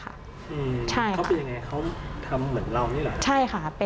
เขาไปอย่างไรเขาทำเหมือนเรานี่หรือ